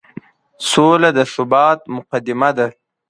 سوله د ثبات مقدمه ده.